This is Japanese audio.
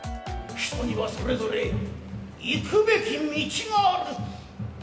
人にはそれぞれ行くべき道がある。